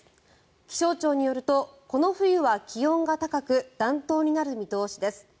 気象庁によるとこの冬は気温が高く暖冬になる見通しです。